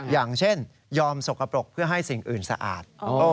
อย่างเช่นยอมสกปรกเพื่อให้สิ่งอื่นสะอาด